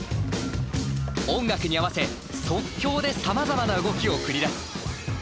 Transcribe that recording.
音楽に合わせ即興でさまざまな動きを繰り出す。